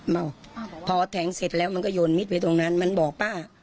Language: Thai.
มันหย่อนมิดไปตรงนั้นพอแทงเสร็จมันบอกป้า